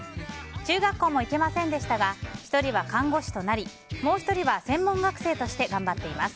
中学校も行けませんでしたが１人は看護師となりもう１人は専門学生として頑張っています。